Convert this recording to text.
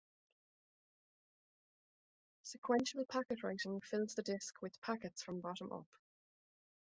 Sequential packet writing fills the disc with packets from bottom up.